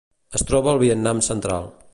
Es troba al Vietnam central.